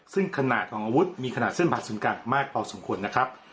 ซึ่งขนาดของอาวุธมีขนาดเส้นผ่าศูนย์กลางมากพอสมควรนะครับ